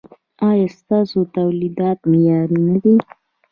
ایا ستاسو تولیدات معیاري نه دي؟